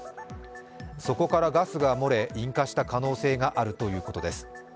そこからガスが漏れ、引火した可能性があるということです。